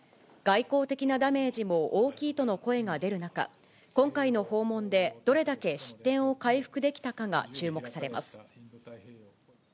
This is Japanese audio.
外交的なダメージも大きいとの声が出る中、今回の訪問でどれだけ失点を回復できたかが注目されます。